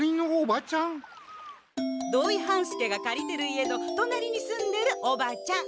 土井半助がかりてる家の隣に住んでるおばちゃん。